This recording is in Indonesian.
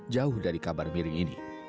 jauh dari kabar miring ini